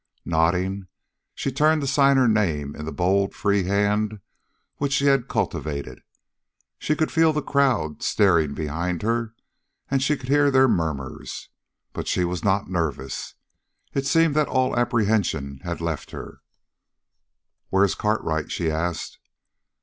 Nodding, she turned to sign her name in the bold, free hand which she had cultivated. She could feel the crowd staring behind her, and she could hear their murmurs. But she was not nervous. It seemed that all apprehension had left her. "Where's Cartwright?" she asked.